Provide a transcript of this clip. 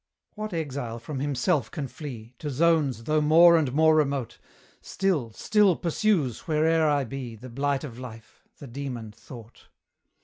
What exile from himself can flee? To zones, though more and more remote, Still, still pursues, where'er I be, The blight of life the demon Thought.